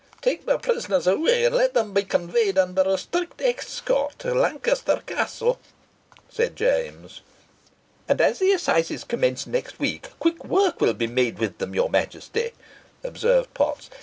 "Take the prisoners away, and let them be conveyed under a strict escort to Lancaster Castle," said James. "And, as the assizes commence next week, quick work will be made with them, your Majesty," observed Potts.